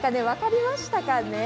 分かりましたか？